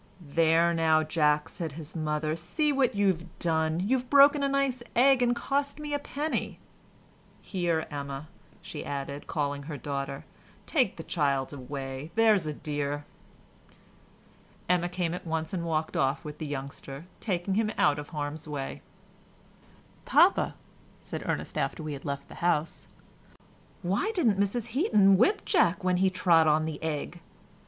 "There now, Jack," said his mother, "see what you've done, you've broken a nice egg and cost me a penny—Here, Emma," she added, calling her daughter, "take the child away, there's a dear." Emma came at once, and walked off with the youngster, taking him out of harm's way. "Papa," said Ernest, after we had left the house, "Why didn't Mrs Heaton whip Jack when he trod on the egg?"